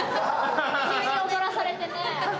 急に踊らされて。